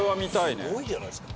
すごいじゃないですか。